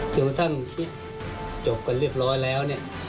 ถึงว่าท่านที่จบกันเรียบร้อยแล้ว